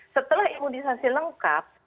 setelah imunisasi lengkap